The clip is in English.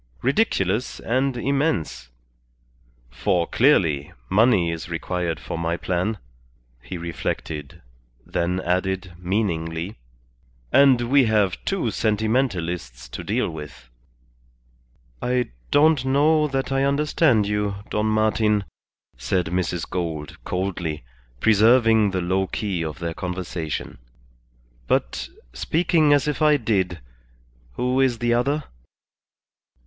Ridiculous and immense; for, clearly, money is required for my plan," he reflected; then added, meaningly, "and we have two sentimentalists to deal with." "I don't know that I understand you, Don Martin," said Mrs. Gould, coldly, preserving the low key of their conversation. "But, speaking as if I did, who is the other?"